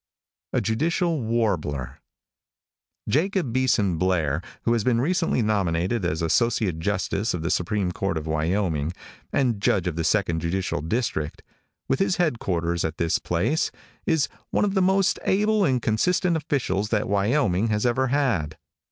A JUDICIAL WARBLER |JACOB BEESON BLAIR, who has been recently renominated as associate justice of the Supreme Court of Wyoming, and judge of the second judicial district, with his headquarters at this place, is one of the most able and consistent officials that Wyoming ever had.